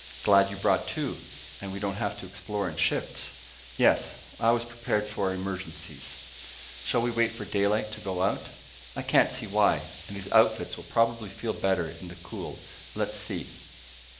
"Glad you brought two, and we don't have to explore in shifts." "Yes, I was prepared for emergencies." "Shall we wait for daylight to go out?" "I can't see why. And these outfits will probably feel better in the cool. Let's see."